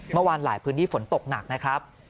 เมื่อวานหลายพื้นที่ฝนตกหนักนะครับ